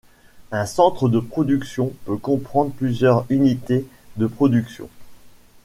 Un centre de production peut comprendre plusieurs unités de production.